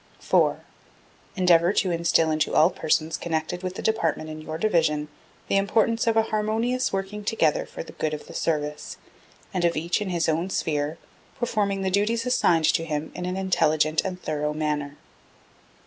4. Endeavor to instil into all persons connected with the Department in your Division the importance of a harmonious working together for the good of the Service, and of each, in his own sphere, performing the duties assigned to him in an intelligent and thorough manner.